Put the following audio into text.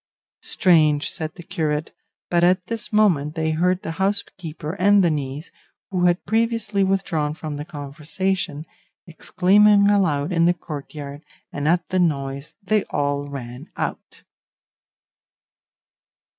"Strange," said the curate; but at this moment they heard the housekeeper and the niece, who had previously withdrawn from the conversation, exclaiming aloud in the courtyard, and at the noise they all ran out.